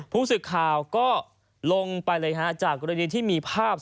ผู้สื่อข่าวก็ลงไปเลยฮะจากกรณีที่มีภาพ